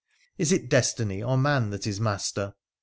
Is it destiny or man that is master